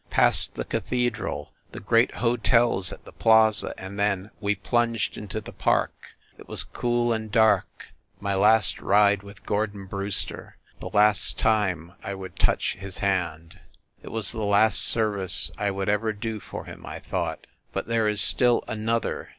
Past the Cathedral, the great hotels at the plaza, and then we plunged into the Park ... it was cool and dark ... my last ride with Gordon Brewster ... the last time I would touch his hand ! It was the last service I would ever do for him, I thought, ... but there is still another